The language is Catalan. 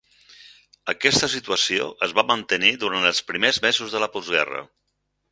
Aquesta situació es va mantenir durant els primers mesos de la postguerra.